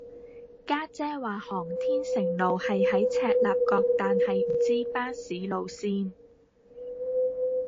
家姐話航天城路係喺赤鱲角但係唔知巴士路線